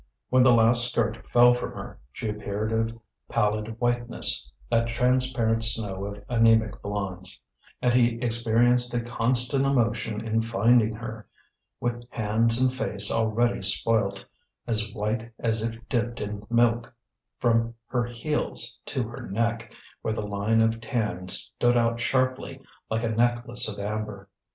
When the last skirt fell from her, she appeared of pallid whiteness, that transparent snow of anaemic blondes; and he experienced a constant emotion in finding her, with hands and face already spoilt, as white as if dipped in milk from her heels to her neck, where the line of tan stood out sharply like a necklace of amber.